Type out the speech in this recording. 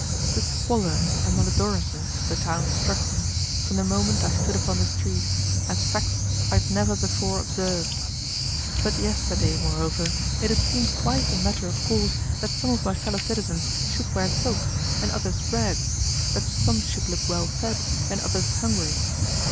The squalor and malodorousness of the town struck me, from the moment I stood upon the street, as facts I had never before observed. But yesterday, moreover, it had seemed quite a matter of course that some of my fellow citizens should wear silks, and others rags, that some should look well fed, and others hungry.